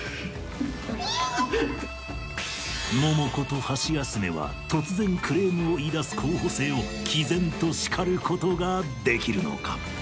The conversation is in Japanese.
え⁉モモコとハシヤスメは突然クレームを言い出す候補生を毅然と叱ることができるのか？